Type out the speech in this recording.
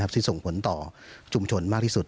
ที่ส่งผลต่อชุมชนมากที่สุด